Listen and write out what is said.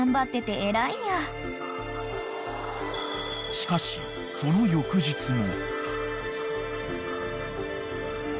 ［しかしその翌日も］